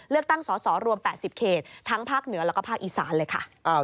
เลือกตั้งสอรวม๘๐เคตทั้งพักฯเนื้อแล้วก็พักฯอีสานเลยค่ะ